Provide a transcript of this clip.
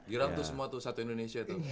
girau tuh semua tuh satu indonesia itu